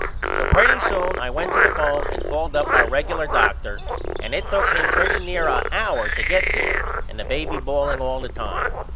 So pretty soon I went to the phone and called up our regular Dr. and it took him pretty near a hour to get there and the baby balling all the time.